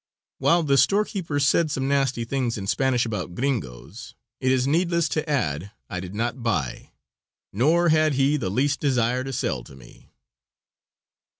While the storekeeper said some nasty things in Spanish about "Gringos," it is needless to add I did not buy, nor had he the least desire to sell to me.